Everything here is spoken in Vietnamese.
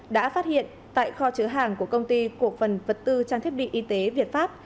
đã phát hiện tại kho chứa hàng của công ty cổ phần vật tư trang thiết bị y tế việt pháp